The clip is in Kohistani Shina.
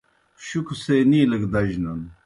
شُکھو سے نِیلہ گہ دجنَن